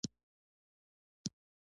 لغمان ولې سبزیجات ډیر لري؟